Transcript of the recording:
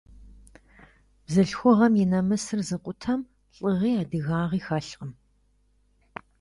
Бзылъхугъэм и нэмысыр зыкъутэм, лӀыгъи, адыгагъи хэлъкъым.